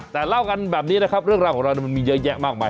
แต่เล่ากันแบบนี้นะครับเรื่องราวของเรามันมีเยอะแยะมากมาย